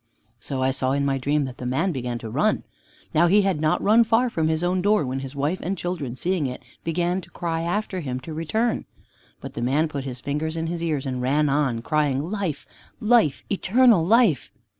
So I saw in my dream that the man began to run. Now he had not run far from his own door when his wife and children, seeing it, began to cry after him to return. But the man put his fingers in his ears, and ran on, crying, "Life, life, eternal life!"